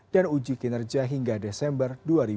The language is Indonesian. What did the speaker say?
dan uji kinerja hingga desember dua ribu dua puluh dua